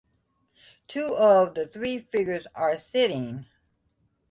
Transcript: Two of the three figures are sitting.